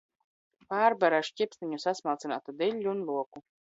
Pārber ar šķipsniņu sasmalcinātu diļļu un loku.